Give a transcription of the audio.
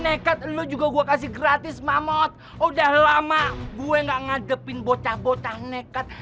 nekat lu juga gua kasih gratis mamot udah lama gue enggak ngadepin bocah bocah nekat